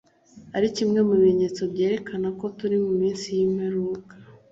ari kimwe mu bimenyetso byerekana ko turi mu minsi y’imperuka